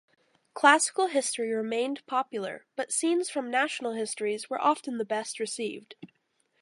Classical history remained popular, but scenes from national histories were often the best-received.